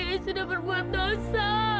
iis sudah berbuat dosa